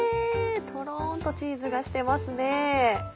トロンとチーズがしてますね。